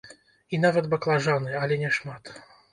І нават баклажаны, але не шмат.